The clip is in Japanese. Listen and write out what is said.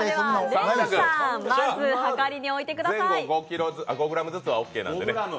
前後５ｇずつはオーケーなのでね